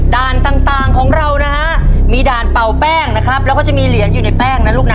ต่างต่างของเรานะฮะมีด่านเป่าแป้งนะครับแล้วก็จะมีเหรียญอยู่ในแป้งนะลูกนะ